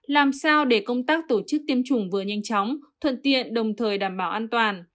làm sao để công tác tổ chức tiêm chủng vừa nhanh chóng thuận tiện đồng thời đảm bảo an toàn